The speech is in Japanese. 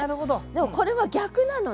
でもこれは逆なのね。